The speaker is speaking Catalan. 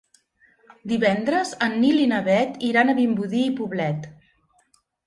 Divendres en Nil i na Bet iran a Vimbodí i Poblet.